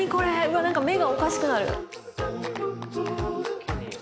わなんか目がおかしくなる。